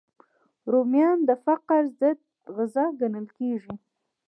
رومیان د فقر ضد غذا ګڼل کېږي